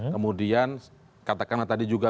kemudian katakanlah tadi juga